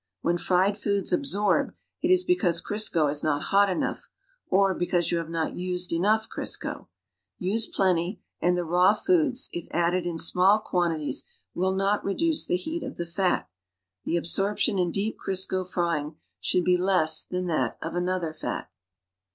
When fried foods absorb, it is because Crisco is not hot enough, or because you have not used enough Crisco. Use [)leuty and the raw foods, if added in small quantities, will not reduce the heat of the fat. The ab sorptiou in deep Crisco frying should be less than that of another fat.